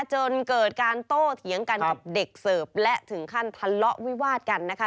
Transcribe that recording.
จนเกิดการโต้เถียงกันกับเด็กเสิร์ฟและถึงขั้นทะเลาะวิวาดกันนะคะ